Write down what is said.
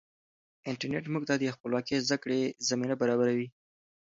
انټرنیټ موږ ته د خپلواکې زده کړې زمینه برابروي.